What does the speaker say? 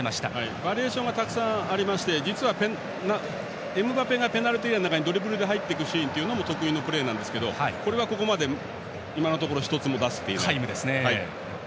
バリエーションはたくさんあって実はエムバペがペナルティーエリアの中にドリブルで入るシーンも得意な形なんですけどそれは今のところ１つも出せていないです。